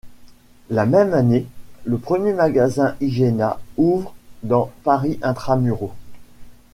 La même année, le premier magasin Hygena ouvre dans Paris intra-muros.